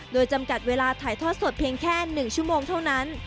โดยจำกัดเวลาถ่ายทอดสดเพียงแค่๑ชั่วโมงเท่านั้น